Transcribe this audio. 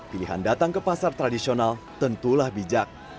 pilihan datang ke pasar tradisional tentulah bijak